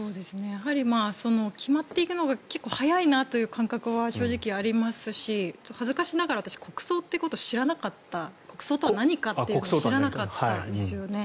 やはり決まっていくのが結構早いなという感覚は正直ありますし恥ずかしながら私国葬ということが知らなかった国葬とは何かということを知らなかったんですよね。